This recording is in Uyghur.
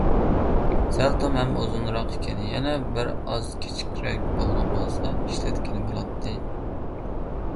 سەل توم ھەم ئۇزۇنراق ئىكەن، يەنە بىرئاز كىچىكرەك بولغان بولسا ئىشلەتكىلى بولاتتى.